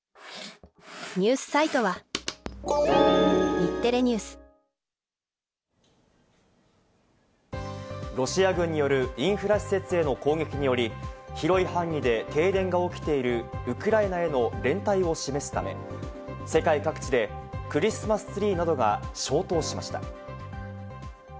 三井不動産ロシア軍によるインフラ施設への攻撃により、広い範囲で停電が起きているウクライナへの連帯を示すため、世界各地でクリスマスツリーなどが消灯しました。